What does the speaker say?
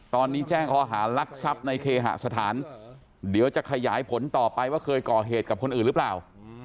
ตอนนี้แจ้งข้อหารักทรัพย์ในเคหสถานเดี๋ยวจะขยายผลต่อไปว่าเคยก่อเหตุกับคนอื่นหรือเปล่า